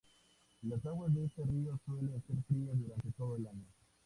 Las aguas de este río suelen ser frías durante todo el día.